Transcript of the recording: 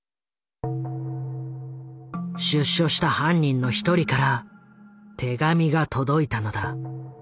出所した犯人の一人から手紙が届いたのだ。